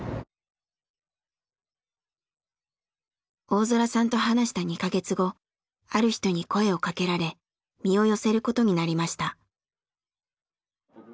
大空さんと話した２か月後ある人に声をかけられ身を寄せることになりました。